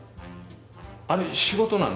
あれ仕事なの？